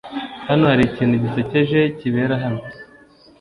Hano hari ikintu gisekeje kibera hano.